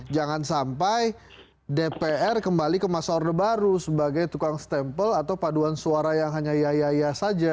jangan sampai dpr kembali ke masa orde baru sebagai tukang stempel atau paduan suara yang hanya yaya saja